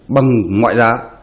bằng ngoại giá